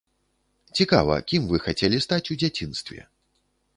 Цікава, кім вы хацелі стаць у дзяцінстве?